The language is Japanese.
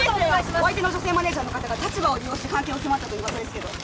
お相手の女性マネージャーの方が立場を利用して関係を迫ったといううわさですけど？